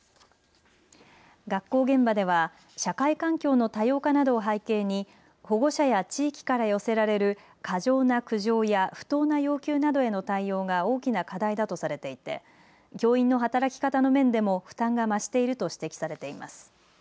学校現場では社会環境の多様化などを背景に保護者や地域から寄せられる過剰な苦情や不当な要求などへの対応が大きな課題だとされていて教員の働き方の面でも負担が増していると指摘されています。